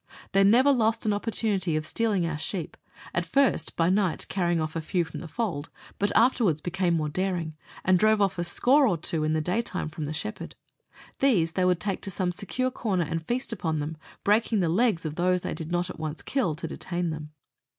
They never lost an opportunity of stealing our sheep at first by night carrying off a few from the fold, but afterwards became more daring, and drove off a score or two in the day time from the shepherd. These they would take to some secure corner and feast upon them, breaking the legs of those they did not at once kill, to detain them.